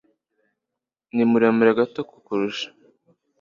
ni muremure gato kukurusha